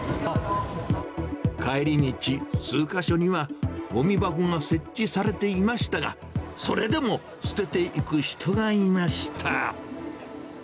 帰り道、数か所にはごみ箱が設置されていましたが、それでも捨てていく人がいました。